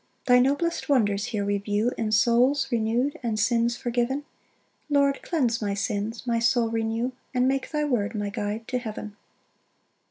6 Thy noblest wonders here we view In souls renew'd and sins forgiven: Lord, cleanse my sins, my soul renew, And make thy word my guide to heaven.